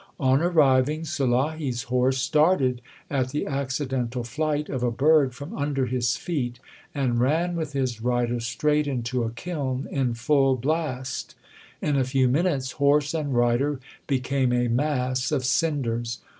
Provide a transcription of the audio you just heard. On arriving, Sulahi s horse started at the accidental flight of a bird from under his feet, and ran with his rider straight into a kiln in full blast. In a few minutes horse and rider became a mass of cinders.